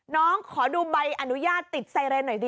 น้องขอดูใบอนุญาตติดไซเรนหน่อยดิ